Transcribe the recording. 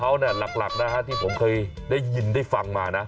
เขาหลักนะฮะที่ผมเคยได้ยินได้ฟังมานะ